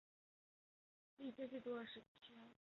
历届最多的实习职缺